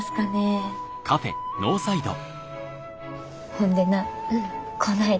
ほんでなこないだ